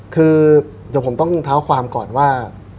คือเดี๋ยวผมต้องเท้าความก่อนว่า